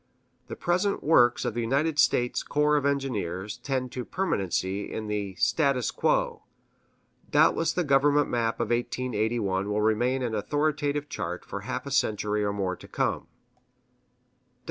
The present works of the United States Corps of Engineers tend to permanency in the status quo; doubtless the government map of 1881 will remain an authoritative chart for a half century or more to come.